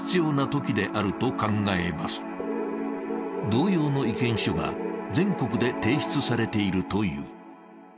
同様の意見書が全国で提出されているという。